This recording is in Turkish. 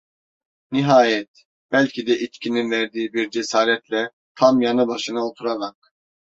Nihayet, belki de içkinin verdiği bir cesaretle, tam yanı başına oturarak: